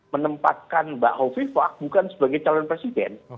menempatkan mbak hovifah bukan sebagai calon presiden